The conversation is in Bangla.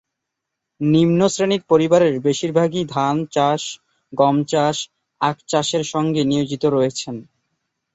নিম্ন শ্রেণীর পরিবারের বেশিরভাগই ধান চাষ, গম চাষ, আখ চাষের সঙ্গে নিয়োজিত রয়েছেন।